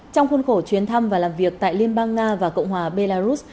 trong khuôn khổ chuyến thăm và làm việc tại liên bang nga và cộng hòa belarus